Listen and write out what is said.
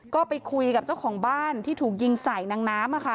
ก็ไปคุยกับเจ้าของบ้านที่ถูกยิงใส่นางน้ำ